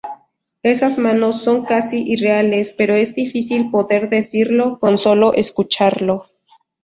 Esas manos son casi irreales pero es difícil poder decirlo con solo escucharlo.